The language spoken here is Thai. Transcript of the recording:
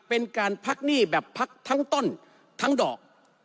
เป็นการพักหนี้แบบพักทั้งต้นทั้งดอก